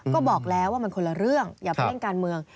ก็บอกแล้วว่ามันคนละเรื่องอย่าไปเล่นการเมือง